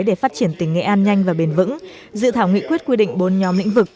để phát triển tỉnh nghệ an nhanh và bền vững dự thảo nghị quyết quy định bốn nhóm lĩnh vực